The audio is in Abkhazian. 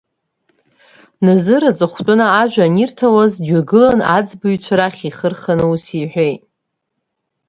Назыр аҵыхәтәаны ажәа анирҭауаз дҩагылан, аӡбаҩцәа рахь ихы рханы ус иҳәеит…